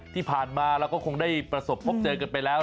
ที่ผ่านมาเราก็คงได้ประสบพบเจอกันไปแล้ว